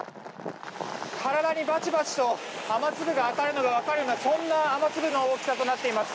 体にバチバチと雨粒が当たるのが分かるようなそんな雨粒の大きさになっています。